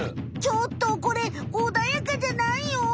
ちょっとこれおだやかじゃないよ。